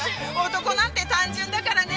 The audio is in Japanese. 男なんて単純だからね。